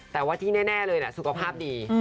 แต่ว่าที่แน่เลยสุขภาพดี